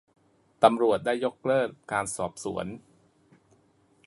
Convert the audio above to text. ตำรวจได้ยกเลิกการสอบสวน